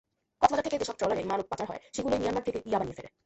কক্সবাজার থেকে যেসব ট্রলারে মানব পাচার হয়, সেগুলোই মিয়ানমার থেকে ইয়াবা নিয়ে ফেরে।